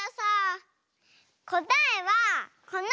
こたえはこの。